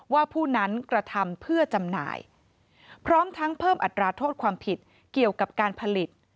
ผู้นั้นกระทำเพื่อจำหน่ายพร้อมทั้งเพิ่มอัตราโทษความผิดเกี่ยวกับการผลิต